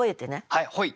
はいほい。